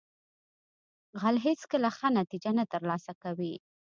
غل هیڅکله ښه نتیجه نه ترلاسه کوي